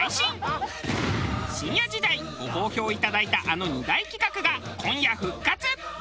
深夜時代ご好評いただいたあの２大企画が今夜復活！